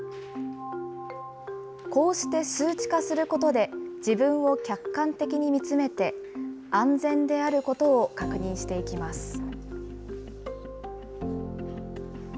こうして数値化することで、自分を客観的に見つめて安全であることを確認していきます。